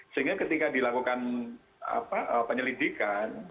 sehingga ketika dilakukan penyelidikan